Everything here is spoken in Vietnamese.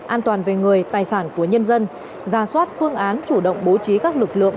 an toàn về người tài sản của nhân dân ra soát phương án chủ động bố trí các lực lượng